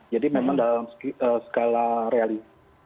jadi memang dalam skala realis